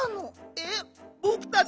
えっぼくたちを？